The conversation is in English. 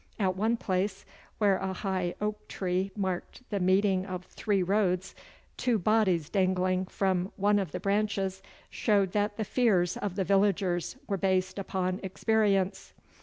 At one place, where a high oak tree marked the meeting of three roads, two bodies dangling from one of the branches showed that the fears of the villagers were based upon experience.